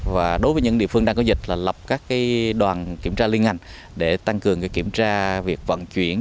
và đối với những địa phương đang có dịch là lập các đoàn kiểm tra liên ngành để tăng cường kiểm tra việc vận chuyển